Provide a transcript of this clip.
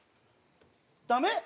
ダメ？